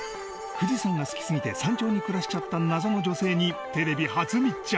富士山が好きすぎて山頂に暮らしちゃった謎の女性にテレビ初密着！